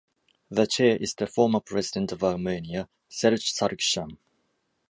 The Chair is the former President of Armenia, Serzh Sargsyan.